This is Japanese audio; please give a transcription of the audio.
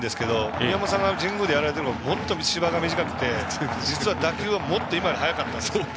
宮本さんが神宮でやられてたころはもっと芝が短くて実は打球は今より速かった。